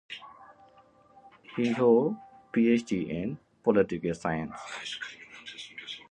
He holds a Ph.D. in Political Science.